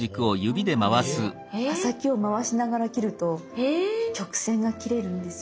刃先を回しながら切ると曲線が切れるんですよ。